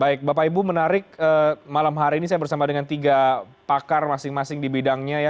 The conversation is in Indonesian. baik bapak ibu menarik malam hari ini saya bersama dengan tiga pakar masing masing di bidangnya ya